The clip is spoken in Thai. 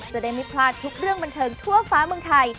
จะได้ไม่พลาดทุกเรื่องบันเทิงทั่วฟ้าเมืองไทย